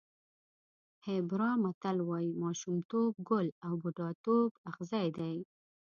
هېبرا متل وایي ماشومتوب ګل او بوډاتوب اغزی دی.